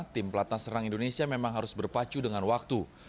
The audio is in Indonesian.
tim platnas renang indonesia memang harus berpacu dengan waktu